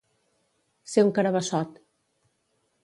Ser un carabassot.